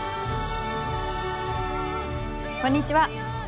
こんにちは。